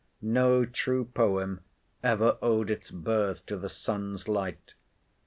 No true poem ever owed its birth to the sun's light.